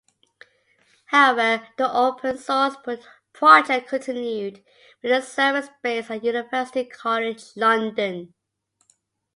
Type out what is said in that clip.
However the open source project continued, with the servers based at University College London.